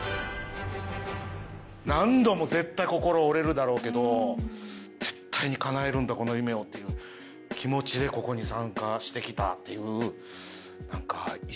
何度も絶対心折れるだろうけど絶対に叶えるんだこの夢をっていう気持ちでここに参加してきたっていう意志がわかりますよね。